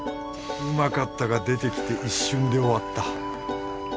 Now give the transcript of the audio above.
うまかったが出てきて一瞬で終わった。